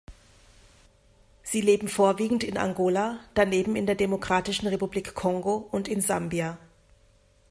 Sie leben vorwiegend in Angola, daneben in der Demokratischen Republik Kongo und in Sambia.